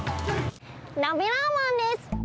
なべラーマンです。